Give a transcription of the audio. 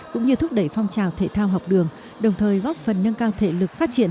cũng như thúc đẩy phong trào thể thao học đường đồng thời góp phần nâng cao thể lực phát triển